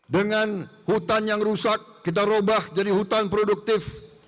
dengan hutan yang rusak kita ubah jadi hutan produktif